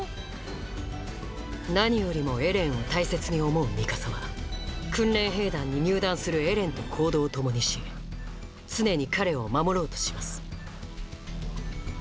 何よりもエレンを大切に思うミカサは訓練兵団に入団するエレンと行動を共にし常に彼を守ろうとします